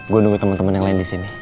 gue nunggu temen temen yang lain disini